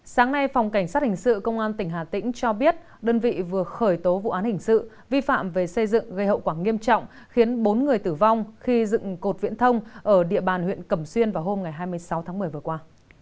sáng nay phòng cảnh sát hình sự công an tỉnh hà tĩnh cho biết đơn vị vừa khởi tố vụ án hình sự vi phạm về xây dựng gây hậu quả nghiêm trọng khiến bốn người tử vong khi dựng cột viễn thông ở địa bàn huyện cẩm xuyên vào hôm hai mươi sáu tháng một mươi vừa qua